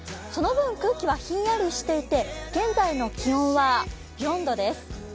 その分空気はひんやりしていて現在の気温は４度です。